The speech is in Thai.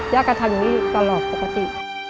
ยากกระทัพยีอยู่ตลอดปกติ